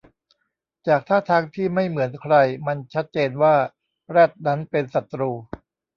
จากท่าทางที่ไม่เหมือนใครมันชัดเจนว่าแรดนั้นเป็นศัตรู